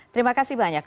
terima kasih banyak